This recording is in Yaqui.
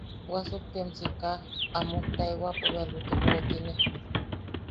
Wasuktiam sika, a muktaewaipo bea lutu woʼotine.